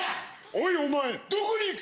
おいお前どこに行く？